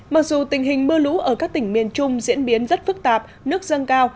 mặc dù tình hình mưa lũ ở các tỉnh miền trung diễn biến rất phức tạp nước dâng cao